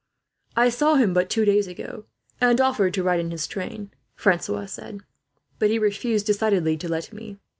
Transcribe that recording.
"I saw him two days ago, and offered to ride in his train," Francois said; "but he refused, decidedly, to let me.